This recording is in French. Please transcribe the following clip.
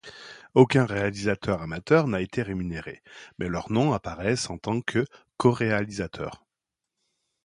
Aucun réalisateur amateur n'a été rémunéré mais leurs noms apparaissent en tant que coréalisateurs.